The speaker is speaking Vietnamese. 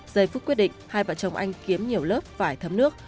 giây phút quyết định hai vợ chồng anh kiếm nhiều lớp phải thấm nước